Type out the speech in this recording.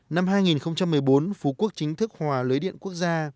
năm hai nghìn một mươi bốn phú quốc chính thức hòa lưới điện quốc gia